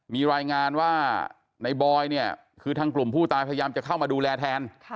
มีรายงานว่าในบอยเนี่ยคือทางกลุ่มผู้ตายพยายามจะเข้ามาดูแลแทน